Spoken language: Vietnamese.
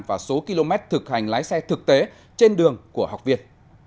và số km thực hành lái xe thực tế trên đường của học viên